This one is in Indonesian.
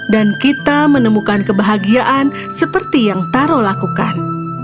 dan kita menemukan kebahagiaan seperti yang taro lakukan